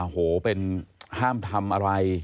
ห้ามทำอะไร